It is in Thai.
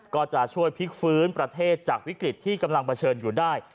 ก็จะช่วยพลิกฟื้นประเทศจากวิกฤตที่กำลังเผชิญอยู่ได้